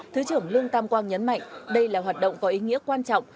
thứ trưởng lương tam quang nhấn mạnh đây là hoạt động có ý nghĩa quan trọng